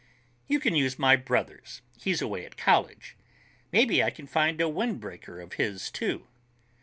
"You can use my brother's. He's away at college. Maybe I can find a windbreaker of his, too."